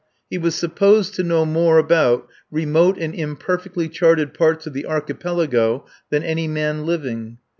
He was supposed to know more about remote and imperfectly charted parts of the Archipelago than any man living.